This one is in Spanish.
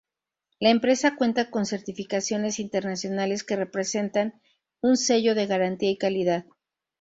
La empresa cuenta con certificaciones internacionales que representan un sello de garantía y calidad.